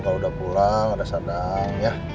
kalau udah pulang ada sadang ya